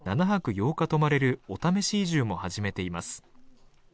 泊まれるお試し移住も始めています。